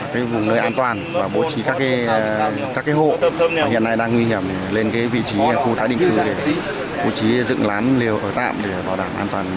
cái vùng nơi an toàn và bố trí các cái hộ hiện nay đang nguy hiểm lên cái vị trí khu tái định cư để bố trí dựng lán liều ở tạm để bảo đảm an toàn người và tài sản